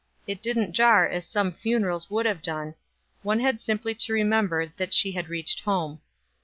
It didn't jar as some funerals would have done; one had simply to remember that she had reached home.